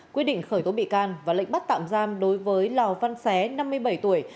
quyết định khởi tố bị can và lệnh bắt tạm giam đối với lào văn xé năm mươi bảy tuổi